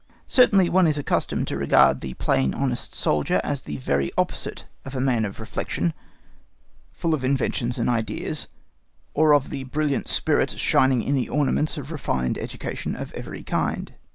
Certainly one is accustomed to regard the plain honest soldier as the very opposite of the man of reflection, full of inventions and ideas, or of the brilliant spirit shining in the ornaments of refined education of every kind.